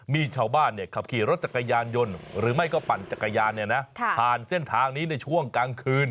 มีชาวบ้านขับขี่รถจักรยานยนต์หรือไม่ก็ปั่นจักรยานผ่านเส้นทางนี้ในช่วงกลางคืน